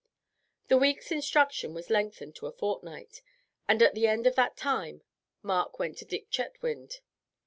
The week's instruction was lengthened to a fortnight, and at the end of that time Mark went to Dick Chetwynd.